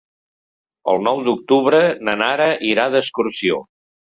El nou d'octubre na Nara irà d'excursió.